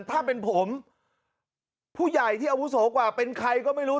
ถ้าเป็นผมผู้ใหญ่ที่อาวุโสกว่าเป็นใครก็ไม่รู้